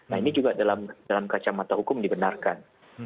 nah ini juga dalam kacamata hukum dibenarkan